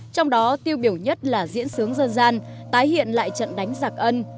trong đó tiêu biểu nhất là diễn sướng dân gian tái hiện lại trận đánh giặc ân